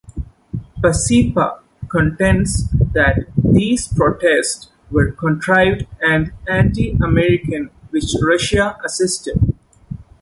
Pacepa contends that these protests were contrived and anti-American, which Russia assisted.